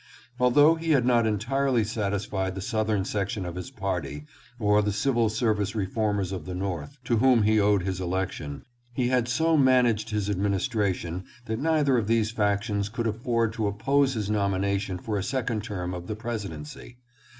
Although he had not entirely satisfied the Southern section of his party or the civil service reformers of the North, to whom he owed his election, he had so managed his administration that neither of these factions could afford to oppose his nomination for a second term of the presidency.